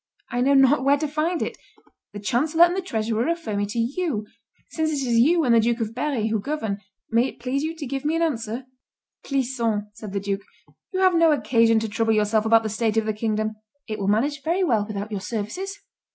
I know not where to find it. The chancellor and the treasurer refer me to you. Since it is you and the Duke of Berry who govern, may it please you to give me an answer." "Clisson," said the duke, "you have no occasion to trouble yourself about the state of the kingdom; it will manage very well without your services.